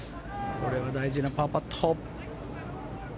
これは大事なパーパット。